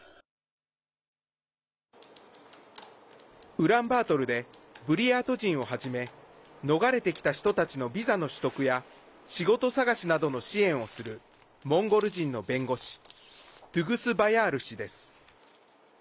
ウランバートルでブリヤート人をはじめ逃れてきた人たちのビザの取得や仕事探しなどの支援をするモンゴル人の弁護士トゥグスバヤール氏です。